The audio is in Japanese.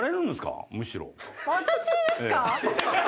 私ですか？